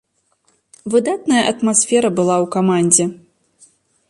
Выдатная атмасфера была ў камандзе.